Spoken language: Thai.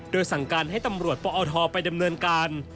โดยสั่งการให้ตำรวจปอทไปดำเนินการ